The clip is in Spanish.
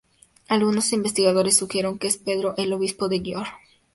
Algunos investigadores sugieren que es Pedro, el obispo de Győr.